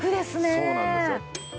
そうなんですよ。